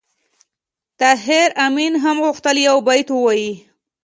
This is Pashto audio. طاهر آمین هم غوښتل یو بیت ووایي